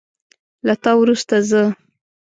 له تا وروسته زه